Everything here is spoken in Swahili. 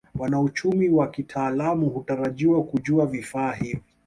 Wanauchumi wa kitaalamu hutarajiwa kujua vifaa hivi